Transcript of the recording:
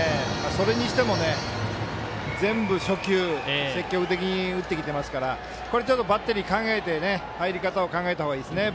それにしても、全部、初球積極的に打ってきてますからバッテリー入り方を考えた方がいいですね。